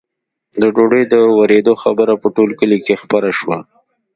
د ډوډۍ د ورېدو خبره په ټول کلي کې خپره شوه.